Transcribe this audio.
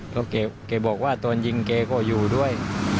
ก็แกบอกว่าตอนยิงแกก็อยู่ด้วย